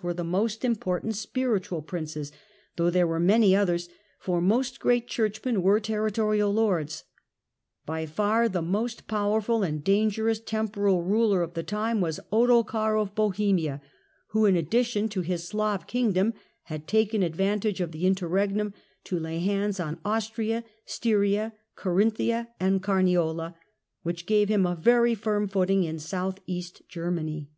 Princes the most miportant spnntual Prmces, though there were many others, for most great Churchmen were territorial lords. By far the most powerful and dangerous tem poral ruler of the time was Ottokar of Bohemia, who in ottokar of ,•■■ i'/ ii T7 T 11,1 T j_ Bohemia.— addition to this Slav Kingdom, had taken advantage a Slav of the Interregnum to lay hands on Austria, Styria, j^^^^g^^i^'^'' Carinthia and Carniola, which gave him a very firm foot Germany hold in South East Germany.